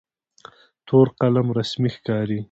تور قلم رسمي ښکاري.